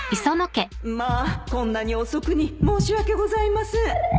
まあこんなに遅くに申し訳ございません